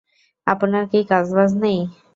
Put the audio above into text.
আপনার কি কাজ-বাজ নেই?